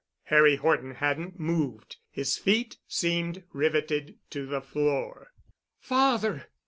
Harry Horton hadn't moved. His feet seemed riveted to the floor. "Father!"